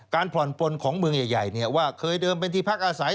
การผ่อนปนของเมืองใหญ่เนี่ยว่าเคยเดิมเป็นที่พักอาศัย